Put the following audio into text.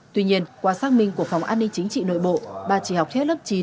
tuy nhiên qua xác minh của phòng an ninh chính trị nội bộ bà chỉ học hết lớp chín